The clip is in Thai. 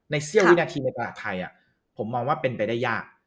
เสี้ยววินาทีในตลาดไทยผมมองว่าเป็นไปได้ยาก